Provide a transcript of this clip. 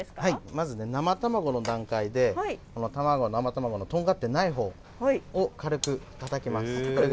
まず生卵の段階で卵のとんがってないほうを軽くたたきます。